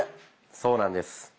そうなんです。